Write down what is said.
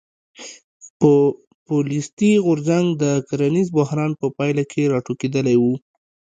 پوپولیستي غورځنګ د کرنیز بحران په پایله کې راټوکېدلی و.